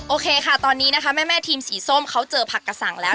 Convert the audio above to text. โอเคค่ะตอนนี้นะคะแม่ทีมสีส้มเขาเจอผักกระสังแล้ว